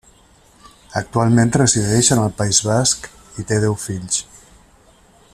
Actualment resideix en el País Basc i té deu fills.